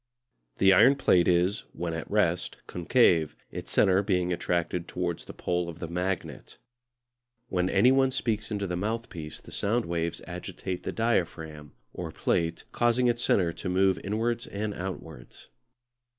The iron plate is, when at rest, concave, its centre being attracted towards the pole of the magnet. When any one speaks into the mouthpiece the sound waves agitate the diaphragm (or plate), causing its centre to move inwards and outwards.